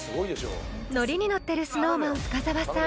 ［ノリに乗ってるＳｎｏｗＭａｎ深澤さん］